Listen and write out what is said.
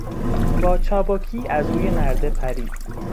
با چابکی از روی نرده پرید.